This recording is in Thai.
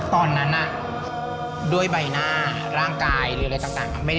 ตอนนั้นด้วยใบหน้าร่างกายหรืออะไรต่าง